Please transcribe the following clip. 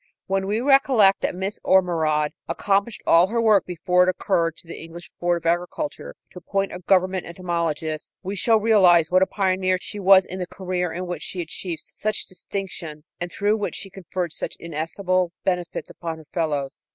When we recollect that Miss Ormerod accomplished all her work before it occurred to the English Board of Agriculture to appoint a government entomologist, we shall realize what a pioneer she was in the career in which she achieved such distinction and through which she conferred such inestimable benefits upon her fellows.